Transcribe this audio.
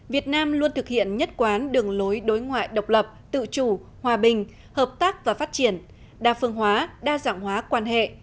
việt nam luôn thực hiện nhất quán đường lối đối ngoại độc lập tự chủ hòa bình hợp tác và phát triển đa phương hóa đa dạng hóa quan hệ